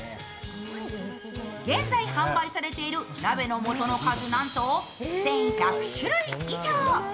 現在販売されている鍋の素の数、なんと１１００種類以上。